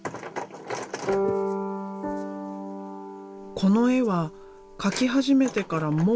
この絵は描き始めてからもう８年。